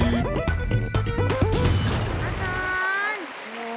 อาจารย์